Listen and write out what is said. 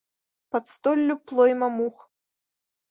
Пад столлю плойма мух.